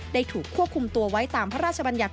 ถูกควบคุมตัวไว้ตามพระราชบัญญัติ